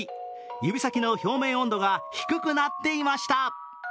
指先の表面温度が低くなっていました。